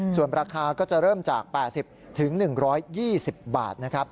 ส่วนราคาก็จะเริ่มจาก๘๐๑๒๐บาทนะครับ